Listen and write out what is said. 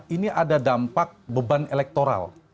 ini ada dampak beban elektoral